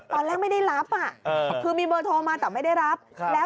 ตอนแรกไม่ได้รับคือมีเบอร์โทรมาแต่ไม่ได้รับแล้ว